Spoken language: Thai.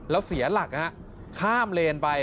แล้วเสียหลักนะครับข้ามเลนไป